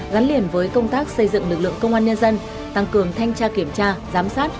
gắn liền với công tác xây dựng lực lượng công an nhân dân tăng cường thanh tra kiểm tra giám sát